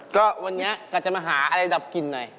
ก็วันนี้ก็จะมาหาอะไรดับกลิ่นหน่อย